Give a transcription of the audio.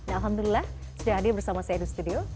alhamdulillah sudah hadir bersama saya di studio